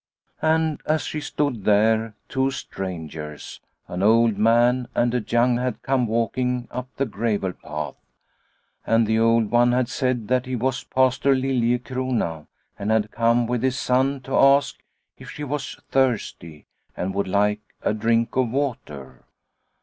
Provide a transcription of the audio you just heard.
And as she stood there two strangers an old man and a young had come walking up the gravel path. And the old one had said that he was Pastor Liliecrona, and had come with his son to ask if she was thirsty and would like a drink of water.